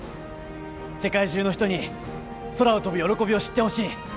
世界中の人に空を飛ぶ喜びを知ってほしい。